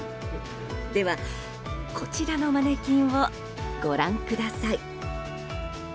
では、こちらのマネキンをご覧ください。